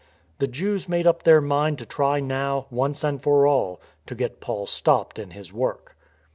The Jews made up their mind to try now, once and for all, to get Paul stopped in his work.